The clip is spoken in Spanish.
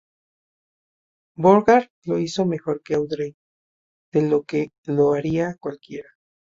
Bogart lo hizo mejor con Audrey de lo que lo haría cualquiera.